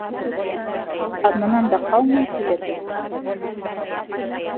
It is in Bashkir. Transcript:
Аҙнанан да ҡалмай килермен.